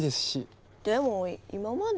でも今までは。